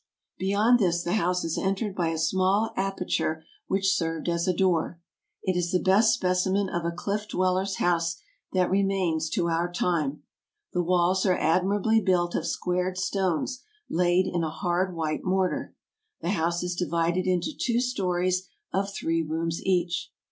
Beyond this the house is entered by a small aperture which served as a door. It is the best specimen 56 TRAVELERS AND EXPLORERS of a Cliff dweller's house that remains to our time. The walls are admirably built of squared stones laid in a hard white mortar. The house is divided into two stories of three rooms each.